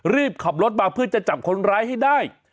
รีบขับรถมาเพื่อจะจับคนร้ายให้ได้